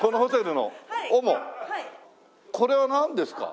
これはなんですか？